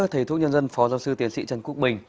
thầy thuốc nhân dân phó giáo sư tiến sĩ trần quốc bình